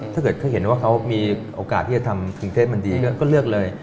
ถ้าเกิดเขาเห็นว่าเขามีโอกาสที่จะทำกรุงเทพมันดีก็เลือกเลย